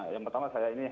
yang pertama saya ini